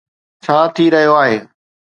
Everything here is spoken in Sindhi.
ڇا ٿي رهيو آهي.